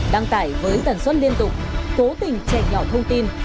đăng tải với tần suất liên tục cố tình trẻ nhỏ thông tin